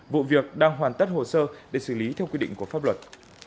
vụ việc đang hoàn tất hồ sơ để xử lý theo quy định của pháp luật